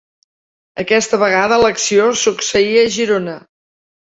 Aquesta vegada, l'acció succeïa a Girona.